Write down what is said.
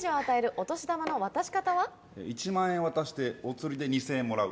「１万円渡してお釣りで２千円もらう」。